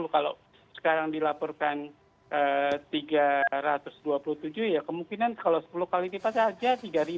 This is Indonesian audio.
kalau sekarang dilaporkan tiga ratus dua puluh tujuh ya kemungkinan kalau sepuluh kali lipat saja tiga dua ratus tujuh puluh dua